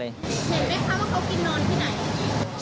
เห็นไหมคะว่าเขากินนอนที่ไหน